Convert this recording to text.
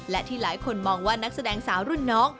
และที่หลายคนมองว่านักแสดงสาวรุ่นน้อง